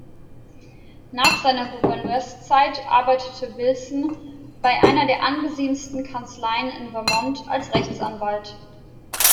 Nach seiner Gouverneurszeit arbeitete Wilson bei einer der angesehensten Kanzleien in Vermont als Rechtsanwalt.